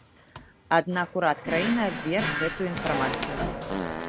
Аднак урад краіны абверг гэтую інфармацыю.